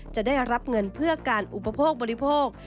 จะได้รับเงินเพื่อการอุปโภคบริโภค